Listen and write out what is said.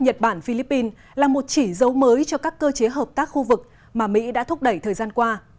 nhật bản philippines là một chỉ dấu mới cho các cơ chế hợp tác khu vực mà mỹ đã thúc đẩy thời gian qua